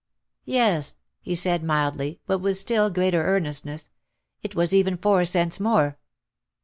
"Yes," he said mildly but with still greater earnest ness. "It was even four cents more!"